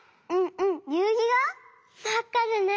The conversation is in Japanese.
まっかでね。